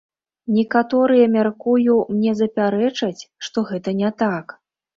Некаторыя, мяркую, мне запярэчаць, што гэта не так.